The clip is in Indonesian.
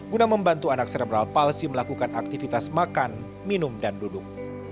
guna membantu anak serebral palsi melakukan aktivitas makan minum dan duduk